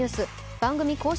番組公式